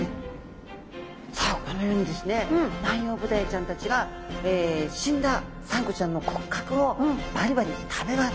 さあこのようにですねナンヨウブダイちゃんたちが死んだサンゴちゃんの骨格をバリバリ食べます。